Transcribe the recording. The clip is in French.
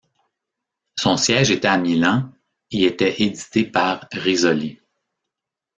Son siège était à Milan et était édité par Rizzoli.